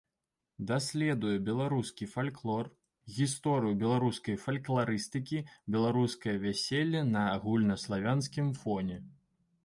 Даследуе беларускі фальклор, гісторыю беларускай фалькларыстыкі, беларускае вяселле на агульнаславянскім фоне.